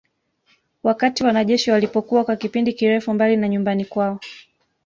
Wakati wanajeshi walipokuwa kwa kipindi kirefu mbali na nyumbani kwao